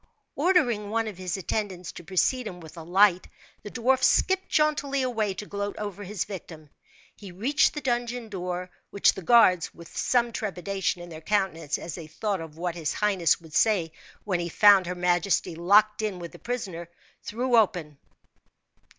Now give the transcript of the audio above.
Ordering one of his attendants to precede him with a light, the dwarf skipped jauntily away, to gloat over his victim. He reached the dungeon door, which the guards, with some trepidation in their countenance, as they thought of what his highness would say when he found her majesty locked in with the prisoner, threw open.